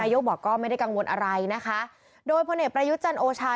นายโยคบอกก็ไม่ได้กังวลอะไรนะคะโดยพระเนตรประยุจรรย์โอชา